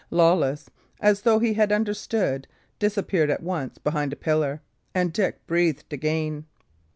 Lawless, as though he had understood, disappeared at once behind a pillar, and Dick breathed again.